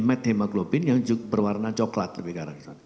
matte hemoglobin yang berwarna coklat lebih garang